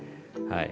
はい。